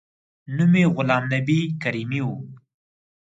نوم یې غلام نبي کریمي و.